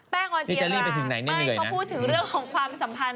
แป๊งออนจีนาแป้งก็พูดถึงเรื่องของความสัมพันธ์